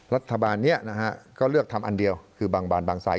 รัฐบาลนี้นะฮะก็เลือกทำอันเดียวคือบางบานบางสาย